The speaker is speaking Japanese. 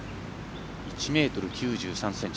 １ｍ９３ｃｍ